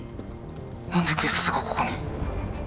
何で警察がここに？